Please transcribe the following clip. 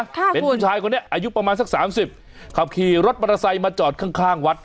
ค่ะเป็นผู้ชายคนนี้อายุประมาณสักสามสิบขับขี่รถมอเตอร์ไซค์มาจอดข้างข้างวัด